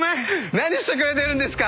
何してくれてるんですか！